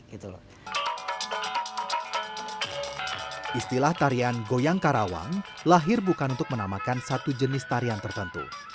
istilah tarian goyang karawang lahir bukan untuk menamakan satu jenis tarian tertentu